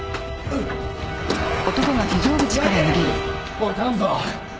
おい頼むぞ！